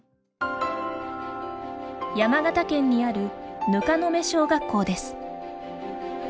山形県にある糠野目小学校です。